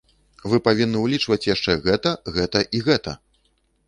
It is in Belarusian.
Вы павінны ўлічваць яшчэ гэта, гэта і гэта!